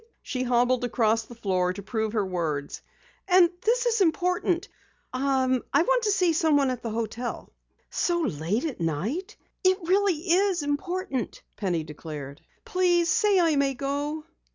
She hobbled across the floor to prove her words. "And this is important. I want to see someone at the hotel." "So late at night?" "It really is important," Penny declared. "Please say I may go."